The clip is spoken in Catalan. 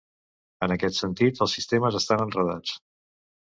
En aquest sentit, els sistemes estan "enredats".